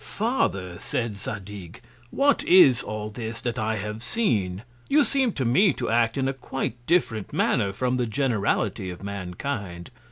Father, said Zadig, What is all this that I have seen? You seem to me to act in a quite different Manner from the Generality of Mankind.